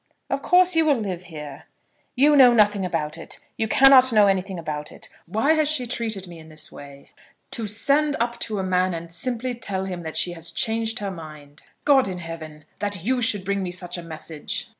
"Of course you will live here." "You know nothing about it. You cannot know anything about it. Why has she treated me in this way? To send up to a man and simply tell him that she has changed her mind! God in heaven! that you should bring me such a message!"